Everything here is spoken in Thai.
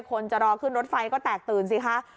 คนจะรอขึ้นรถไฟเหรอก็แตกตื่นสิครับ